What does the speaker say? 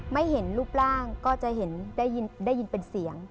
ไม่เห็นรูปร่างก็จะเห็นได้ยินเป็นเสียง